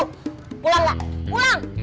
pulang lah pulang